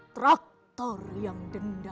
traktor yang dendam